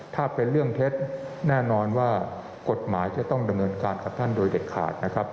ถ้าเป็นเรื่องเท็จแน่นอนว่ากฎหมายจะต้องดำเนินการกับท่านโดยเด็ดขาดนะครับ